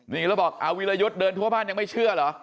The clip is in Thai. นี่แล้วบอกวีรยุทธ์เดินทั่วบ้านยังไม่เชื่อเหรอ